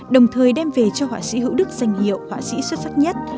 đồng thời đem về cho họa sĩ hữu đức danh hiệu họa sĩ xuất sắc nhất